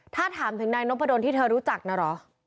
ถ้าถามถึงนายนพดลที่เธอรู้จักนะเหรอ